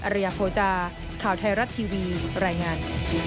อริยโภจารย์ข่าวไทยรัฐทีวีแรงงาน